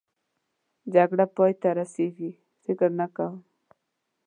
جګړه پای ته رسېږي؟ فکر نه کوم.